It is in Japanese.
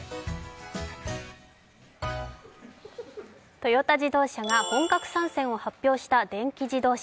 トヨタ自動車が本格参戦を発表した電気自動車。